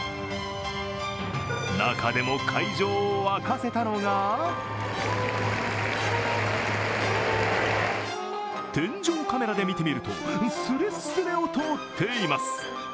中でも会場を沸かせたのが天井カメラで見てみると、すれすれを通っています。